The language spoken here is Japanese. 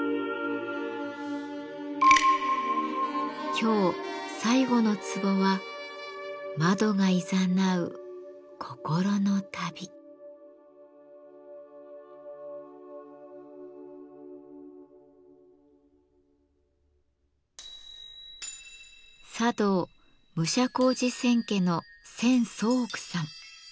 今日最後のツボは茶道武者小路千家の千宗屋さん。